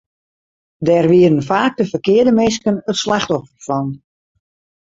Dêr wienen faak de ferkearde minsken it slachtoffer fan.